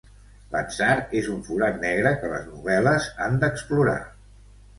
L'atzar és un forat negre que les novel·les han d'explorar.